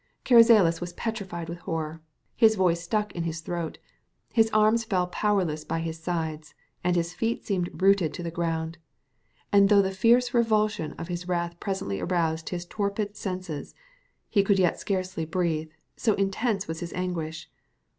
Carrizales was petrified with horror; his voice stuck in his throat; his arms fell powerless by his sides, and his feet seemed rooted to the ground; and though the fierce revulsion of his wrath presently aroused his torpid senses, he yet could scarcely breathe, so intense was his anguish.